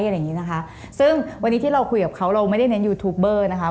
อย่างงี้นะคะซึ่งวันนี้ที่เราคุยกับเขาเราไม่ได้เน้นยูทูปเบอร์นะคะ